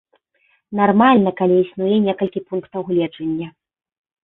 Нармальна, калі існуе некалькі пунктаў гледжання.